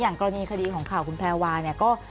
กรณีคดีของข่าวคุณแพรวาเนี่ยก็